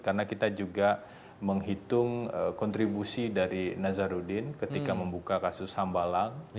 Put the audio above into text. karena kita juga menghitung kontribusi dari nazaruddin ketika membuka kasus hambalang